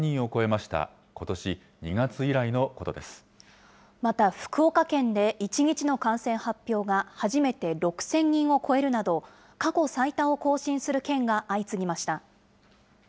また、福岡県で１日の感染発表が初めて６０００人を超えるなど、過去最多を更新する県が相次ぎました。